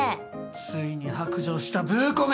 ついに白状したブー子め！